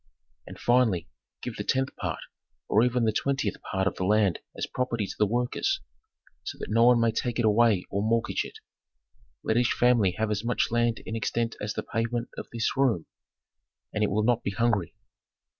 "And finally, give the tenth part, or even the twentieth part of the land as property to the workers, so that no one may take it away or mortgage it. Let each family have as much land in extent as the pavement of this room, and it will not be hungry.